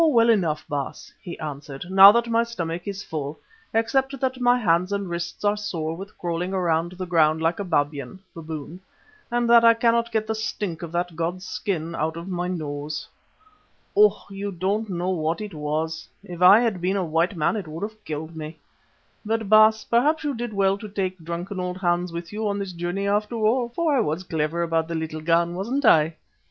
well enough, Baas," he answered, "now that my stomach is full, except that my hands and wrists are sore with crawling along the ground like a babyan (baboon), and that I cannot get the stink of that god's skin out of my nose. Oh! you don't know what it was: if I had been a white man it would have killed me. But, Baas, perhaps you did well to take drunken old Hans with you on this journey after all, for I was clever about the little gun, wasn't I?